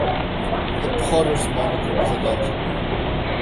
The "Potters" moniker was adopted.